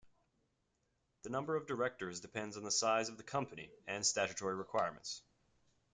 The number of Directors depends on the size of the Company and statutory requirements.